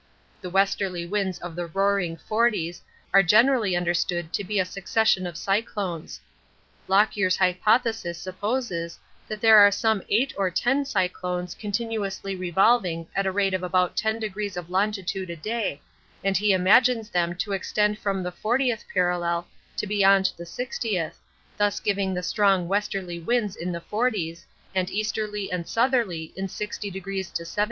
The westerly winds of the Roaring Forties are generally understood to be a succession of cyclones. Lockyer's hypothesis supposes that there are some eight or ten cyclones continually revolving at a rate of about 10° of longitude a day, and he imagines them to extend from the 40th parallel to beyond the 60th, thus giving the strong westerly winds in the forties and easterly and southerly in 60° to 70°.